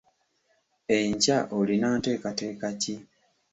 Enkya olina nteekateeka ki?